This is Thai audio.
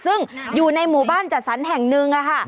ซึ่งอยู่ในหมู่บ้านจัดสรรแห่งหนึ่ง